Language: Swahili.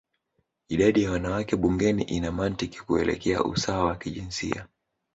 idadi ya wanawake bungeni ina mantiki kuelekea usawa wa kijinsia